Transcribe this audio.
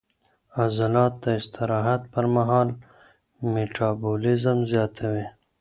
عضلات د استراحت پر مهال میټابولیزم زیاتوي.